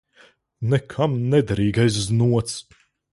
Nekam nederīgais znots.